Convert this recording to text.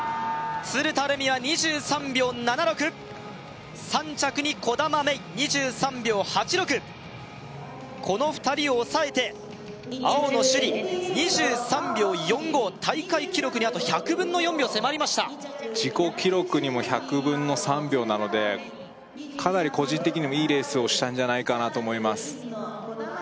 鶴田玲美は２３秒７６３着に兒玉芽生２３秒８６この２人を抑えて青野朱李２３秒４５大会記録にあと１００分の４秒迫りました自己記録にも１００分の３秒なのでかなり個人的にもいいレースをしたんじゃないかなと思います